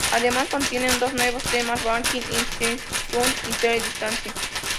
Además, contiene dos nuevos temas, "Walking in the Sun" y "The Distance".